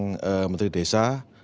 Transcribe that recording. yang menteri desa